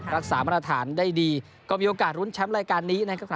รักษามาตรฐานได้ดีก็มีโอกาสรุ้นแชมป์รายการนี้นะครับ